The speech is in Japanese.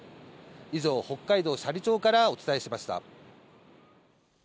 以上、北海道斜里町からお伝えしました。